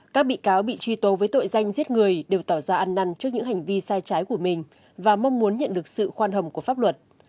các bị cáo bị truy tố với tội danh giết người đều tỏ ra ăn năn trước những hành vi sai trái của mình và mong muốn nhận được sự khoan hầm của pháp luật